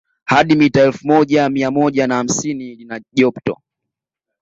Hadi mita elfu moja mia moja na hamsini lina jopto